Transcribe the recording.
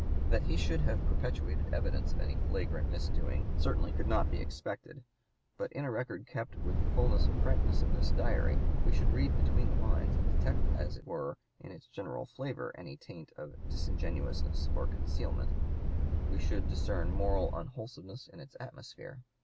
That he should have perpetuated evidence of any flagrant misdoing certainly could not be expected; but in a record kept with the fulness and frankness of this Diary we should read between the lines and detect as it were in its general flavor any taint of disingenuousness or concealment; we should discern moral unwholesomeness in its atmosphere.